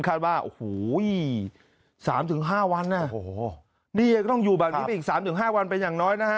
คาดว่า๓๕วันนี่ก็ต้องอยู่แบบนี้เป็นอีก๓๕วันเป็นอย่างน้อย